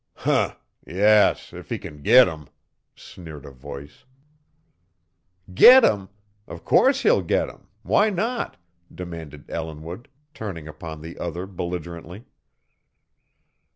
"Huh! Yes, if he can git 'em," sneered a voice. "Git 'em! O' course he'll git 'em. Why not?" demanded Ellinwood, turning upon the other belligerently.